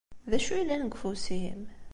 D acu yellan deg ufus-im?